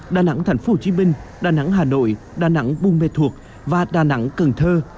đà nẵng thành phố hồ chí minh đà nẵng hà nội đà nẵng bùn mê thuộc và đà nẵng cần thơ